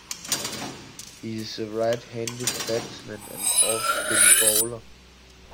He is a right-handed batsman and off-spin bowler.